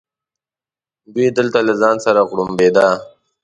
دی دلته له ځان سره غوړمبېده.